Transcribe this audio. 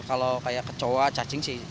kalau kayak kecoa cacing sih